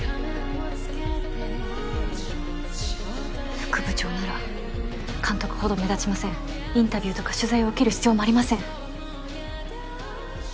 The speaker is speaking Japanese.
副部長なら監督ほど目立ちませんインタビューとか取材を受ける必要もありません